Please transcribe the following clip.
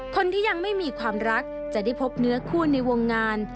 คนที่ยังไม่มีความรักจะได้พบเนื้อคู่ในวงงาน